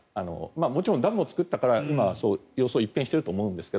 もちろんダムを造ったから今、様相は一変していると思いますが